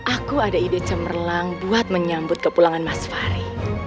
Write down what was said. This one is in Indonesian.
aku ada ide cemerlang buat menyambut kepulangan mas fahri